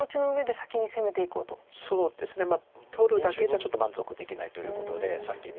取るだけじゃちょっと満足できないということで先に。